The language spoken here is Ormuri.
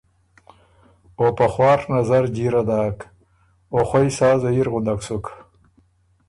او په خواڒ نظره جیره داک او خوئ سا زهیر غنُدک سُک